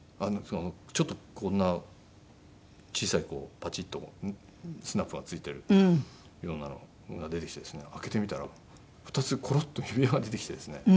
ちょっとこんな小さいパチッとスナップが付いてるようなのが出てきてですね開けてみたら２つコロッと指輪が出てきてですね。